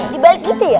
dibalik gitu ya